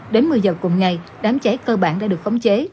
đến một mươi giờ cùng ngày đám cháy cơ bản đã được khống chế